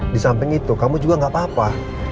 di samping itu kamu juga gak apa apa